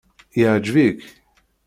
Iɛǧeb-ik?